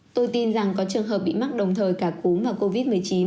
tôi tin rằng có trường hợp bị mắc đồng thời cả cúm và covid một mươi chín